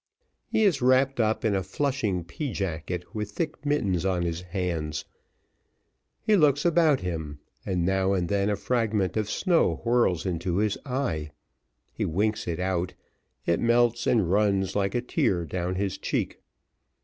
He is wrapt up in a Flushing pea jacket, with thick mittens on his hands; he looks about him, and now and then a fragment of snow whirls into his eye; he winks it out, it melts and runs like a tear down his cheek.